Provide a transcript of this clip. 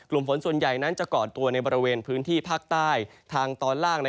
ฝนส่วนใหญ่นั้นจะก่อตัวในบริเวณพื้นที่ภาคใต้ทางตอนล่าง